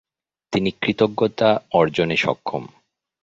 তিনি কৃতজ্ঞতা অর্জনে সক্ষম।